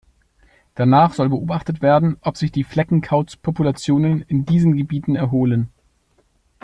Danach soll beobachtet werden, ob sich die Fleckenkauz-Populationen in diesen Gebieten erholen.